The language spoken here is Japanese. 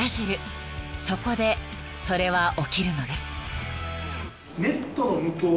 ［そこでそれは起きるのです］